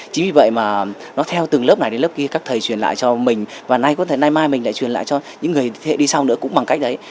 chính vì vậy mà nó theo từng lớp này đến lớp kia các thầy truyền lại cho mình và nay có thể nay mai mai mình lại truyền lại cho những người đi sau nữa cũng bằng cách đấy